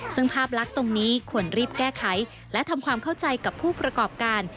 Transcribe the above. ซึ่งภาพลักษณ์ตรงนี้ควรรีบแก้ไขและทำความเข้าใจกับผู้ประกอบการ